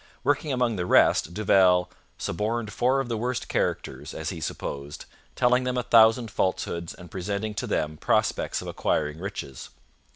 Working among the rest, Duval 'suborned four of the worst characters, as he supposed, telling them a thousand falsehoods and presenting to them prospects of acquiring riches.'